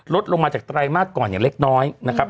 ๒๘ลดลงมาจากไตรมาสก่อนอย่างเล็กน้อยนะครับ